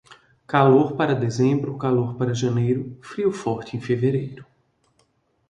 Calor para dezembro, calor para janeiro, frio forte em fevereiro.